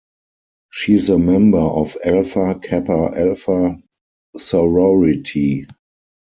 She is a member of Alpha Kappa Alpha sorority.